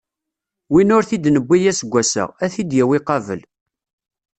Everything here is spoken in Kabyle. Win ur t-id-newwi aseggas-a, ad t-id-yawi qabel.